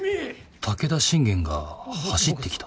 武田信玄が走ってきた。